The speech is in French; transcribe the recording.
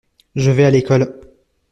Je vais à l’école.